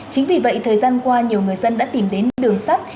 chính vì vậy thời gian qua nhiều người dân đã tìm đến đường sắt